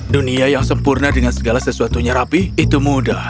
dunia yang sempurna dengan segala sesuatunya rapi itu mudah